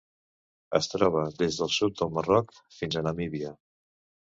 Es troba des del sud del Marroc fins a Namíbia.